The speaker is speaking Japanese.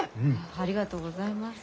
ありがとうございます。